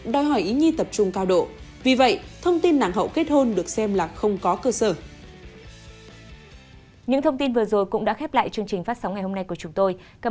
đòi hỏi ý nhi tập trung cao độ vì vậy thông tin nặng hậu kết hôn được xem là không có cơ sở